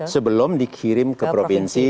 sebelum dikirim ke provinsi